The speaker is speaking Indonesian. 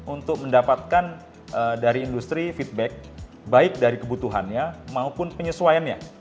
untuk mendapatkan dari industri feedback baik dari kebutuhannya maupun penyesuaiannya